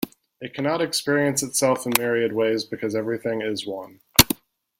It cannot experience itself in myriad ways because everything is one.